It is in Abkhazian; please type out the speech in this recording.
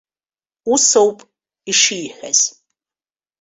Усоуп ишиҳәаз.